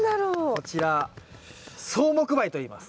こちら草木灰といいます。